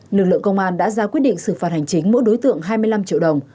lực lượng công an đã ra quyết định xử phạt hành chính mỗi đối tượng hai mươi năm triệu đồng